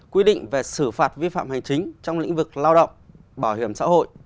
quy định về xử phạt vi phạm hành chính trong lĩnh vực lao động bảo hiểm xã hội